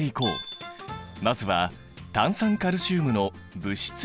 まずは炭酸カルシウムの物質量から。